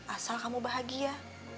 asal kamu bahagia